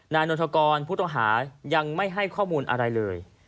นนทกรผู้ต้องหายังไม่ให้ข้อมูลอะไรเลย